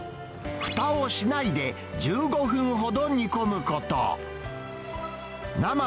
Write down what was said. ふたをしないで、１５分ほど煮込むこと。